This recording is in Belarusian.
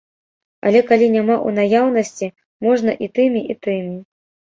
Але калі няма ў наяўнасці, можна і тымі, і тымі.